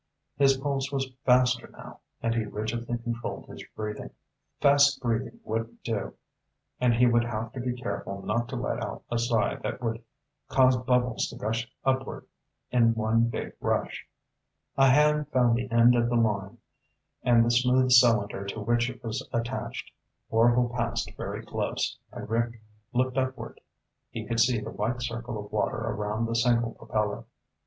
His pulse was faster now, and he rigidly controlled his breathing. Fast breathing wouldn't do, and he would have to be careful not to let out a sigh that would cause bubbles to gush upward in one big rush. A hand found the end of the line and the smooth cylinder to which it was attached. Orvil passed very close, and Rick looked upward. He could see the white circle of water around the single propeller.